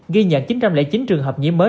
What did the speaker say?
ghi nhận chín trăm linh chín trường hợp nhiễm mới